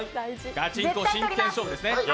ガチンコ真剣勝負ですね。